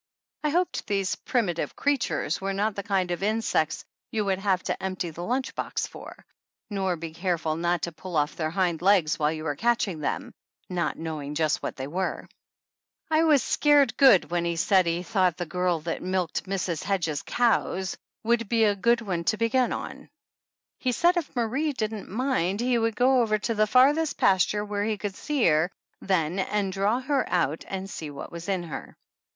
I hoped these "primitive creatures" were not the kind of insects you would have to empty the lunch box for, nor be careful not to pull off their hind legs while you were catching them, not knowing just what they were. I was scared good when he said he thought the girl that milked Mrs. Hedges' cows would 83 THE ANNALS OF ANN be a good one to begin on. He said if Marie didn't mind he would go over to the farthest pasture where he could see her then and draw her out to see what was m her!